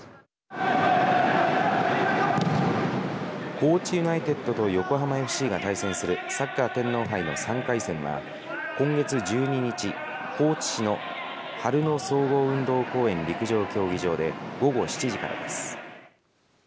高知ユナイテッドと横浜ＦＣが対戦するサッカー天皇杯の３回戦は今月１２日高知市の春野総合運動公園陸上競技場で午後７時からです。